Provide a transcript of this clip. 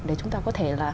để chúng ta có thể là